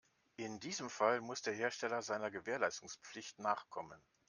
In diesem Fall muss der Hersteller seiner Gewährleistungspflicht nachkommen.